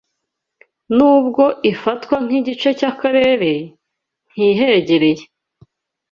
Nubwo ifatwa nkigice cyakarere, ntihegereye